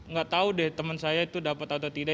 gak tau deh temen saya itu dapat atau tidak